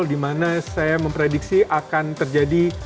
dimana saya memprediksi akan terjadi